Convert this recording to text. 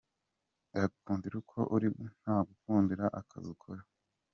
Agukundira uko uri, ntagukundira akazi ukora.